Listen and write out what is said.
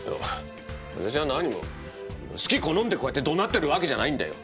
私は何も好き好んでこうやって怒鳴ってるわけじゃないんだよ。